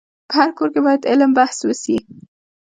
په هر کور کي باید علم بحث وسي.